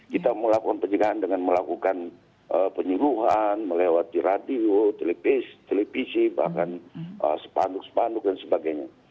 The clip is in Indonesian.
kita melakukan pencegahan dengan melakukan penyeluhan melewati radio televisi bahkan spanduk spanduk dan sebagainya